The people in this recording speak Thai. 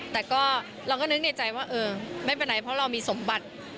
แต่ก็เราก็นึกในใจว่าเออไม่เป็นไรเพราะเรามีสมบัติ